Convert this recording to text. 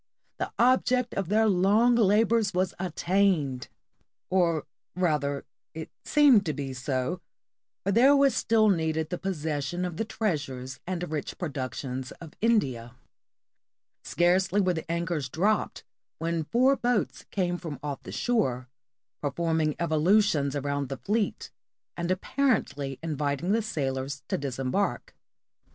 The object of their long labors was attained ! Or rather, it seemed to be so, for there was still needed the possession of the treasures and rich productions of India. Scarcely were the anchors dropped when four boats came off from the shore, performing evolutions around the fleet, and apparently inviting the sailors to disem bark.